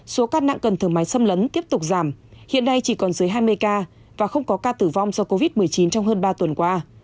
số ca nặng cần thở máy xâm lấn tiếp tục giảm hiện nay chỉ còn dưới hai mươi ca và không có ca tử vong do covid một mươi chín trong hơn ba tuần qua